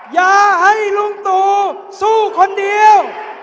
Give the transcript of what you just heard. อย่าให้ลุงตู่สู้คนเดียว